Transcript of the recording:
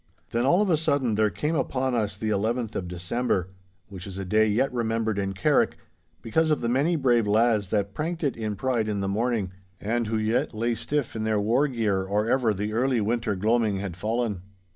Then all of a sudden there came upon us the eleventh of December, which is a day yet remembered in Carrick, because of the many brave lads that pranked it in pride in the morning, and who yet lay stiff in their war gear or ever the early winter gloaming had fallen.